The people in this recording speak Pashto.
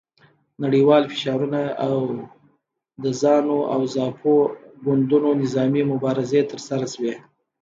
نړیوال فشارونه او د زانو او زاپو ګوندونو نظامي مبارزې ترسره شوې.